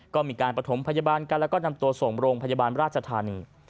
ก็มีการประถมพยาบาลกันแล้วก็นำตัวส่งโรงพยาบาลราชธานี